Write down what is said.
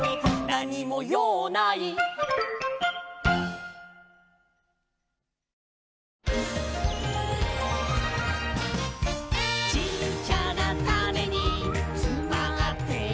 「なにもようない」「ちっちゃなタネにつまってるんだ」